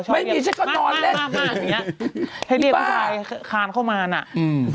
ไม่มีเช็คกานอนเล่นอย่างนี้ให้เรียกผู้ชายคานเข้ามาน่ะอืม